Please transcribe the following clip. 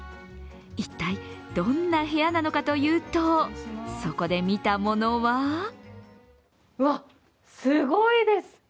一体どんな部屋なのかというと、そこで見たものはうわ、すごいです！